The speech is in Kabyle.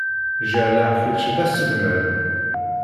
Jeɛleɣ kečč d aselmad.